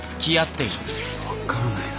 わからないな。